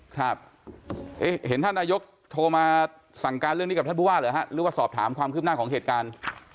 ครับเห็นท่านนายกโทรมาสั่งการเรื่องนี้กับท่านผู้ว่าเหรอฮะหรือว่าสอบถามความคืบหน้าของเหตุการณ์